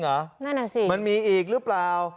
ใช่มันมีอีกหรือเปล่า